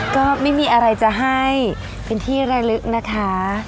ก็ไม่มีอะไรจะให้เป็นที่ระลึกนะคะ